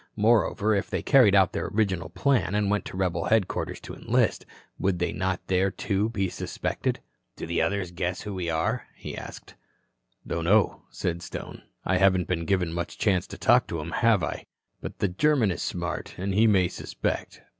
Moreover, if they carried out their original plan and went to rebel headquarters to enlist, would they not there, too, be suspected? "Do the others guess who we are?" he asked. "Don't know," said Stone. "I haven't been given much chance to talk to 'em, have I? But that German is smart, and he may suspect.